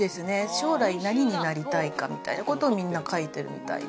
将来、何になりたいかみたいなことを皆、書いてるみたいで。